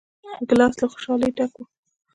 ګیلاس له خوشحالۍ ډک وي.